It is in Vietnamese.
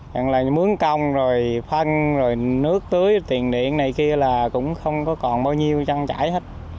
chẳng là mướn công rồi phân rồi nước tưới tiền điện này kia là cũng không có còn bao nhiêu trăng chảy hết